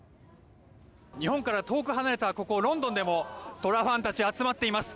日本から遠く離れたここ、ロンドンでも虎ファンたち、集まっています。